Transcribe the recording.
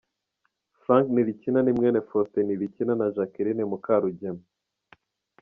Frank Ntilikina ni mwene Faustin Ntilikina na Jacqueline Mukarugema.